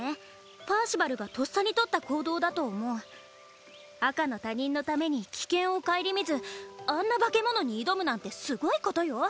パーシバルがとっさに取った行動だと思う赤の他人のために危険を顧みずあんな化け物に挑むなんてすごいことよ